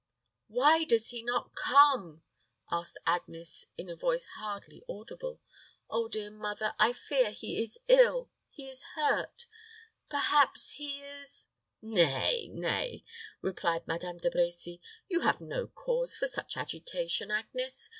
"Why does he not come?" asked Agnes, in a voice hardly audible. "Oh, dear mother, I fear he is ill he is hurt perhaps he is " "Nay, nay," replied Madame De Brecy, "you have no cause for such agitation, Agnes.